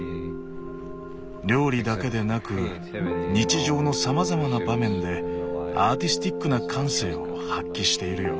料理だけでなく日常のさまざまな場面でアーティスティックな感性を発揮しているよ。